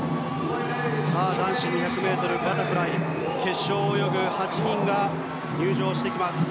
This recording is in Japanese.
男子２００ｍバタフライ決勝を泳ぐ８人が入場してきます。